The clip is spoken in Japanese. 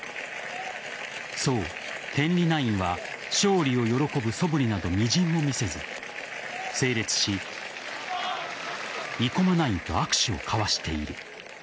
そう、天理ナインは勝利を喜ぶそぶりなどみじんも見せず整列し生駒ナインと握手を交わしている。